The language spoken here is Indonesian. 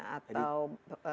atau seperti sedotan